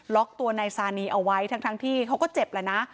ตัวนายซานีเอาไว้ทั้งที่เขาก็เจ็บแล้วนะ